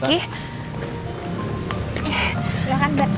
kirain siapa dateng pagi pagi ternyata lo